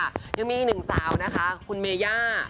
ยังมีอีกหนึ่งสาวนะคะคุณเมย่า